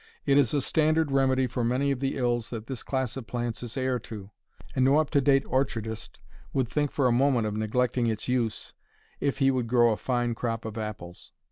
It is a standard remedy for many of the ills that this class of plants is heir to, and no up to date orchardist would think for a moment of neglecting its use if he would grow a fine crop of apples.